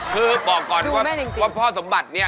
คือบอกก่อนว่าพ่อสมบัติเนี่ย